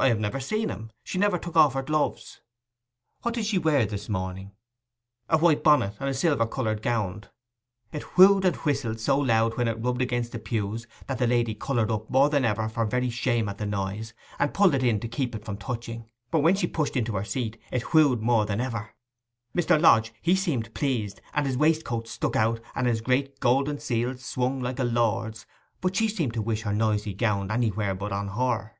'I have never seen 'em. She never took off her gloves.' 'What did she wear this morning?' 'A white bonnet and a silver coloured gownd. It whewed and whistled so loud when it rubbed against the pews that the lady coloured up more than ever for very shame at the noise, and pulled it in to keep it from touching; but when she pushed into her seat, it whewed more than ever. Mr. Lodge, he seemed pleased, and his waistcoat stuck out, and his great golden seals hung like a lord's; but she seemed to wish her noisy gownd anywhere but on her.